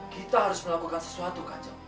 kita harus melakukan sesuatu